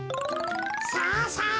さあさあ